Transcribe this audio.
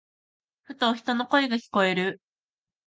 ふと、人の声が聞こえる。